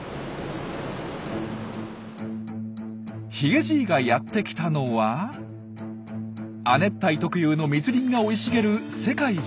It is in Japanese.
ヒゲじいがやって来たのは亜熱帯特有の密林が生い茂る世界自然遺産。